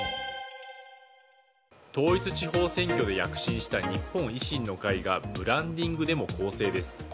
統一地方選挙で躍進した日本維新の会がブランディングでも攻勢です。